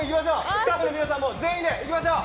スタッフの皆さんも全員でいきましょう！